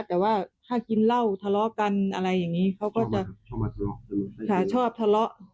แต่ว่าถ้ากินเหล้าทะเลาะกันอะไรอย่างนี้เขาก็จะชอบทะเลาะ